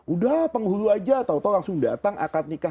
udah penghulu aja tau tau langsung datang akad nikah